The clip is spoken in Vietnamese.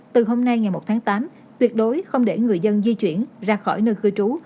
từ hôm nay ngày một tháng tám tuyệt đối không để người dân di chuyển ra khỏi nơi cư trú